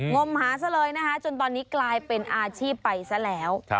มหาซะเลยนะคะจนตอนนี้กลายเป็นอาชีพไปซะแล้ว